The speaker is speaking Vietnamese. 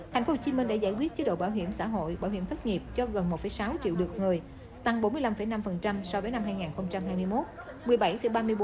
thành phố hồ chí minh đã giải quyết chế độ bảo hiểm xã hội bảo hiểm thất nghiệp cho gần một sáu triệu lượt người tăng bốn mươi năm năm so với năm hai nghìn hai mươi một